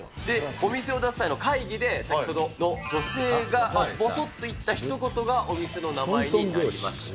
お店を出す際の会議で先ほどの女性がぼそっと言ったひと言がお店の名前になりました。